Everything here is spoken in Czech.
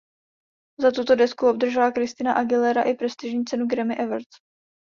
Za tuto desku obdržela Christina Aguilera i prestižní cenu Grammy Awards.